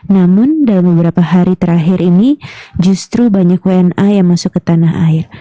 namun dalam beberapa hari terakhir ini justru banyak wna yang masuk ke tanah air